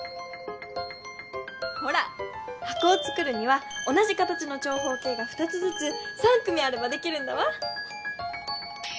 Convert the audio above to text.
ほらはこをつくるには同じ形の長方形が２つずつ３組あればできるんだわ！